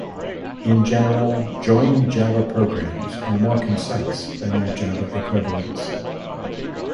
In general, Join Java programs are more concise than their Java equivalents.